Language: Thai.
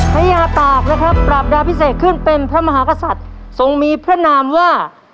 พระยาตากนะครับปราบดาพิเศษขึ้นเป็นพระมหากษัตริย์ทรงมีพระนามว่า